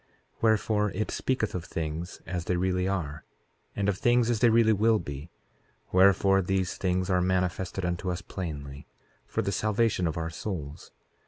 Wherefore, it speaketh of things as they really are, and of things as they really will be; wherefore, these things are manifested unto us plainly, for the salvation of our souls.